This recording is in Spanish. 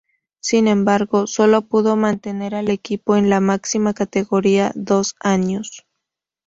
Sin embargo, sólo pudo mantener al equipo en la máxima categoría dos años.